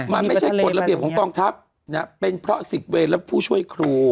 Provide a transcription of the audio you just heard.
มันไม่ใช่กฎระเบียบของกองทัพนะเป็นเพราะ๑๐เวรและผู้ช่วยครู